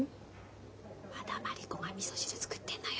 和田マリ子がみそ汁作ってんのよ。